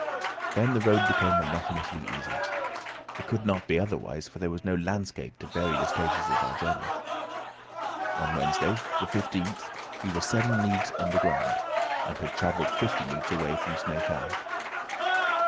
Then the road became monotonously easy. It could not be otherwise, for there was no landscape to vary the stages of our journey. On Wednesday, the 15th, we were seven leagues underground, and had travelled fifty leagues away from Snæfell.